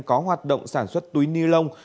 có hoạt động sản xuất túi ni lông khó phân hủy